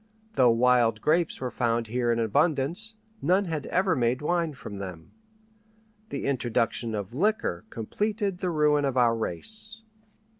Though wild grapes were found here in abundance, none had ever made wine from them. The introduction of liquor completed the ruin of our race.